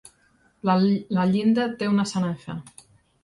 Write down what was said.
La llinda té una sanefa.